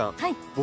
僕